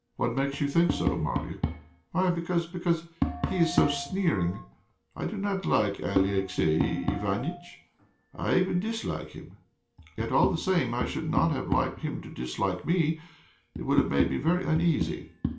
"What makes you think so, Marya?" "Why, because because he is so sneering. I do not like Alexey Iványtch; I even dislike him. Yet, all the same, I should not have liked him to dislike me; it would have made me very uneasy."